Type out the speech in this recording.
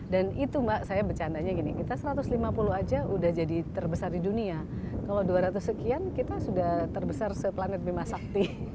dan itu mbak saya bercandanya gini kita satu ratus lima puluh aja udah jadi terbesar di dunia kalau dua ratus sekian kita sudah terbesar seplanet bimba sakti